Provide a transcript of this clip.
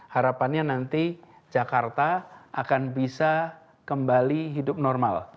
harapannya nanti jakarta akan bisa kembali hidup normal